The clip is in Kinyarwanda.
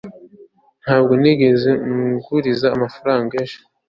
ntabwo nigeze nguriza amafaranga ejo